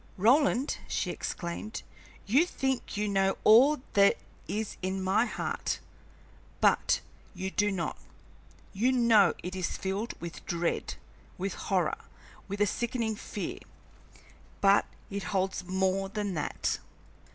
"Roland," she exclaimed, "you think you know all that is in my heart, but you do not. You know it is filled with dread, with horror, with a sickening fear, but it holds more than that.